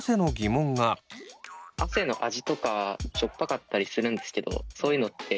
汗の味とかしょっぱかったりするんですけどそういうのって